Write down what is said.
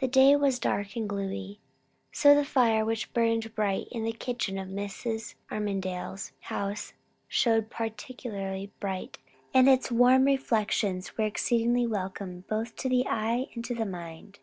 The day was dark and gloomy. So the fire which burned bright in the kitchen of Mrs. Armadale's house showed particularly bright, and its warm reflections were exceedingly welcome both to the eye and to the mind.